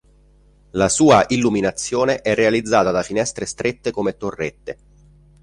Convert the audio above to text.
La sua illuminazione è realizzata da finestre strette come torrette.